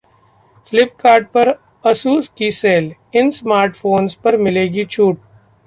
फ्लिपकार्ट पर Asus की sale, इन स्मार्टफोन्स पर मिलेगी छूट